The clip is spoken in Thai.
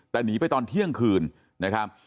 แต่หนีไปตอนเที่ยงคืนนะครับ